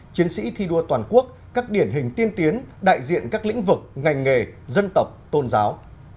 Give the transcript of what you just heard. chiến sĩ thi đua toàn quốc các điển hình tiên tiến đại diện các lĩnh vực ngành nghề dân tộc tôn giáo